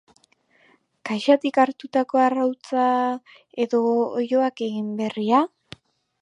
Kaxatik hartutako arrautza edo oiloak egin berria?